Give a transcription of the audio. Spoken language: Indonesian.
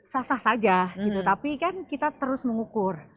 sasah saja gitu tapi kan kita terus mengukur